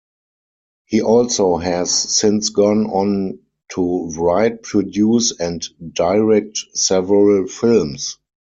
He also has since gone on to write, produce and direct several films.